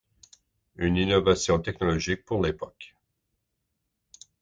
Une innovation technologique pour l'époque.